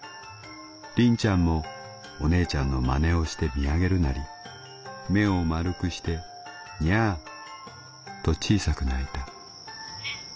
りんちゃんもお姉ちゃんの真似をして見上げるなり目を丸くしてニャアと小さく鳴いた」。